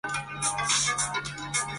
陈氏朝廷着重修史的工作。